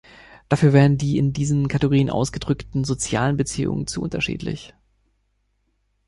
Dafür wären die in diesen Kategorien ausgedrückten sozialen Beziehungen zu unterschiedlich.